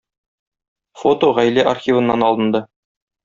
Фото гаилә архивыннан алынды.